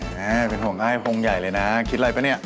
แม่เป็นห่วงอ้ายพงใหญ่เลยนะคิดอะไรป่ะเนี่ย